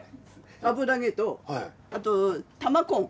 油揚げとあと玉こん。